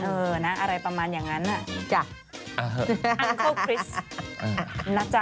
เออนะอะไรประมาณอย่างนั้นจ้ะมันเข้าคริสต์นะจ๊ะ